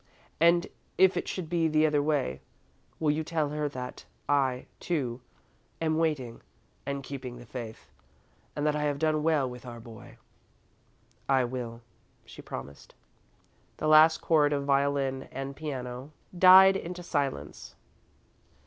And if it should be the other way, will you tell her that I, too, am waiting and keeping the faith, and that I have done well with our boy?" "I will," she promised. The last chord of violin and piano died into silence.